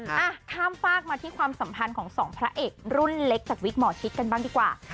อ่ะข้ามฝากมาที่ความสัมพันธ์ของสองพระเอกรุ่นเล็กจากวิกหมอชิดกันบ้างดีกว่า